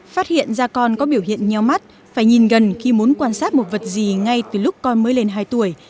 phát hiện ra con có biểu hiện nho mắt phải nhìn gần khi muốn quan sát một vật gì ngay từ lúc con mới lên hai tuổi